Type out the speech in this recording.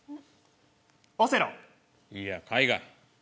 いや、海外。